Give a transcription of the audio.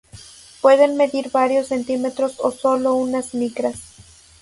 Pueden medir varios centímetros o sólo unas micras.